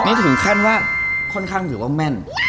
นี่ถึงขั้นว่าค่อนข้างถือว่าแม่น